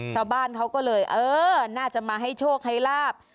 ชาวบ้านเขาก็เลยเออน่าจะมาให้โชคให้ลาบ